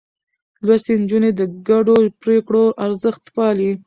لوستې نجونې د ګډو پرېکړو ارزښت پالي.